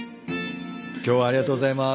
今日はありがとうございます。